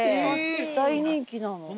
大人気なの。